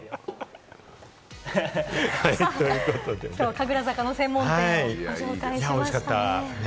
神楽坂の専門店紹介しました。